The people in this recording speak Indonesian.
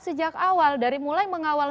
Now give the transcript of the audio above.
sejak awal dari mulai mengawal